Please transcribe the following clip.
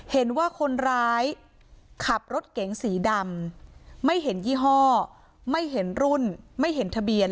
เห็นว่าคนร้ายขับรถเก๋งสีดำไม่เห็นยี่ห้อไม่เห็นรุ่นไม่เห็นทะเบียน